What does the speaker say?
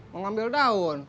mau ngambil daun